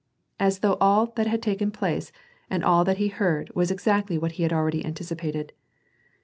as though all that had taken place and all that he heard was exactly what he had already anticipated.